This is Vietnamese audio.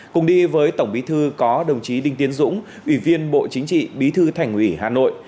cùng đi với tổng bí thư có đồng chí đinh tiến dũng ủy viên bộ chính trị bí thư thành ủy hà nội